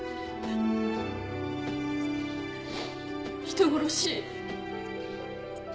人殺し。